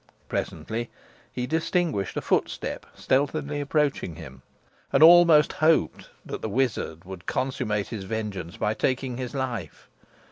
Presently, he distinguished a footstep stealthily approaching him, and almost hoped that the wizard would consummate his vengeance by taking his life.